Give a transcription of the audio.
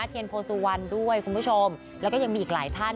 เทียนโพสุวรรณด้วยคุณผู้ชมแล้วก็ยังมีอีกหลายท่าน